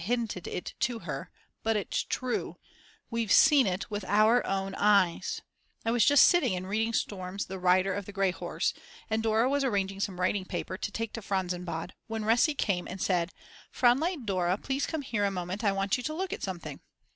hinted it to her; but it's true. We've seen it with our own eyes. I was just sitting and reading Storm's The Rider of the Grey Horse and Dora was arranging some writing paper to take to Franzensbad when Resi came and said: Fraulein Dora, please come here a moment, I want you to look at something!